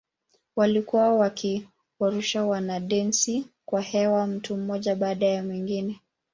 Walikuwa wakiwarusha wanadensi kwa hewa mtu mmoja baada ya mwingine.